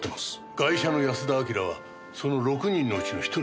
ガイシャの安田章はその６人のうちの１人だった。